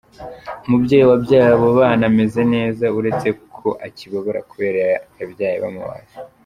Umubyeyi wabyaye abo bana ameze neza uretseko ngo akibabara kubera yabyaye bamubaze.